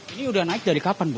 ini udah naik dari kapan bu